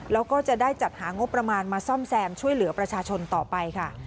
แล้วก็จะได้จัดหางบประมาณมาซ่อมแซมช่วยเหลือประชาชนต่อไปค่ะ